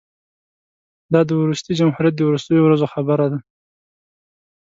دا د وروستي جمهوریت د وروستیو ورځو خبره ده.